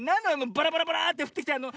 バラバラバラーッてふってきたの。